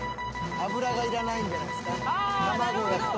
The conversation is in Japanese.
油がいらないんじゃないですか？